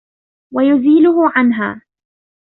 وَيُزِيلُهُ عَنْهَا